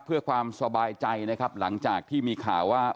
เพื่อความสบายใจนะครับหลังจากที่มีข่าวว่า